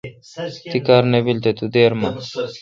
تی کار نہ بیل تو دیرہ من